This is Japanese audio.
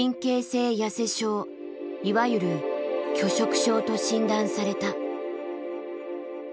いわゆる拒食症と診断された。